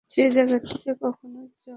সেই জায়গাটিতে কখনো যাওয়া হয়নি।